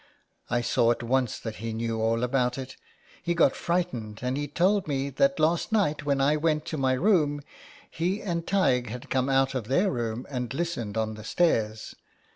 I saw at once that he knew all about it. He got frightened and he told me that last night when I went to my room he and Taigdh came out of their room and listened on the stairs.